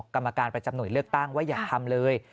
กรรมการประจำหน่วยเลือกตั้งว่าอย่าทำเลย